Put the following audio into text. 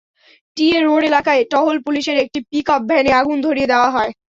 TA road এলাকায় টহল পুলিশের একটি পিকআপ ভ্যানে আগুন ধরিয়ে দেওয়া হয়।